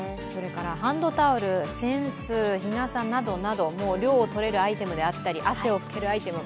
ハンドタオル、扇子日傘などなど涼を取れるアイテムであったり汗を拭けるアイテム